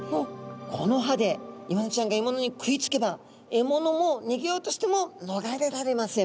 この歯でイワナちゃんがえものに食いつけばえものもにげようとしてものがれられません。